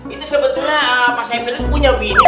itu sebetulnya mas saipul punya bini